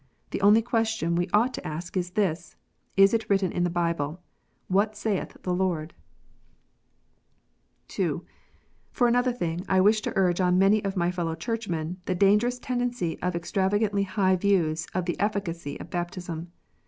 The only question we ought to ask is this, " Is it written in the Bible ? what saith the Lord 1 " (2) For another thing, I wish to urge on many of my fellow Churchmen the dangerous tendency of extravagantly high views of the efficacy of baptism.